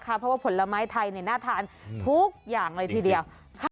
เพราะว่าผลไม้ไทยน่าทานทุกอย่างเลยทีเดียว